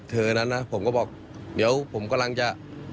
เธอนั้นนะผมก็บอกเดี๋ยวผมกำลังจะ